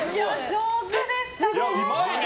上手でしたね。